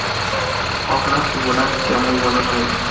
Olaf y Gunnar se hicieron muy buenos amigos.